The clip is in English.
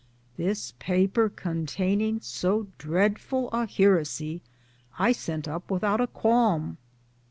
This paper, containing so dreadful a heresy, I sent up without a qualm